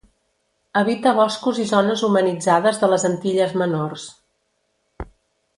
Habita boscos i zones humanitzades de les Antilles Menors.